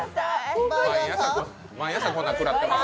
毎朝、こんなんくらってます。